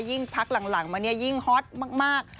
ยิ่งพักหลังมาเนี่ยยิ่งฮอตมาก